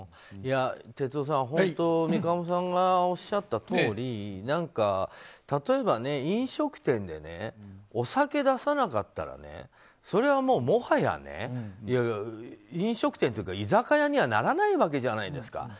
哲夫さん、本当に三鴨さんがおっしゃったとおり例えば飲食店でお酒出さなかったらそれはもはや飲食店というか居酒屋にはならないわけじゃないですか。